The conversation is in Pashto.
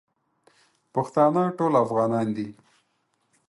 پښتانه ټول افغانان دي